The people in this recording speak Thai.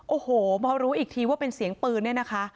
โอ้โหพอรู้อีกทีว่าเป็นเสียงปืนเนี่ยนะคะ